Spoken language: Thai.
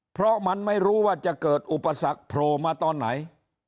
เพราะมันไม่รู้ว่าจะเกิดอุปสรรคโผล่มาตอนไหน